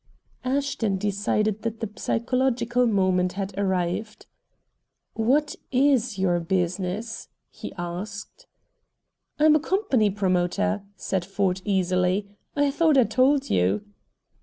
Ashton decided that the psychological moment had arrived. "What IS your business?" he asked. "I'm a company promoter," said Ford easily. "I thought I told you."